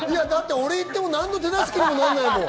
俺が行っても何も手助けにならないもん。